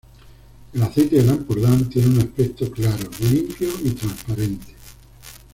El aceite del Ampurdán tiene un aspecto claro, limpio y transparente.